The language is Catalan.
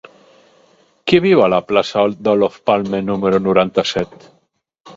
Qui viu a la plaça d'Olof Palme número noranta-set?